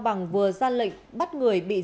dẫn đến chết người